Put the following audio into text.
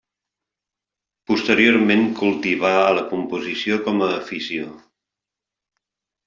Posteriorment cultivà a la composició com a afició.